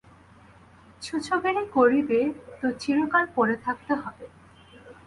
ছুঁচোগিরি করবি তো চিরকাল পড়ে থাকতে হবে।